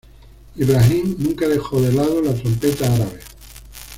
Ibrahim nunca dejó de lado la trompeta árabe.